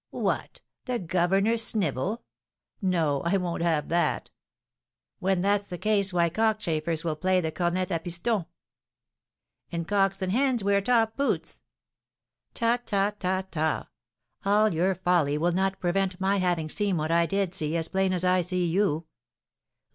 "What! the governor snivel? No, I won't have that." "When that's the case why cockchafers will play the cornet à piston." "And cocks and hens wear top boots." "Ta, ta, ta, ta; all your folly will not prevent my having seen what I did see as plain as I see you."